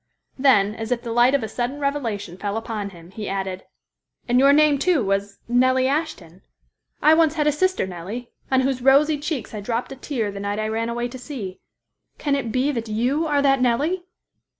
Then as if the light of a sudden revelation fell upon him, he added, "And your name, too, was Nellie Ashton? I once had a sister Nellie, on whose rosy cheeks I dropped a tear the night I ran away to sea. Can it be that you are that Nellie?"